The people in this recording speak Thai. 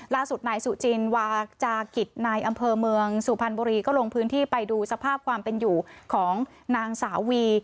ล่าสุดนายสุจินวาจากิตนายอำเภอเมืองสุพรรณบุรีก็ลงพื้นที่ไปดูสภาพความเป็นอยู่ของนางสาววี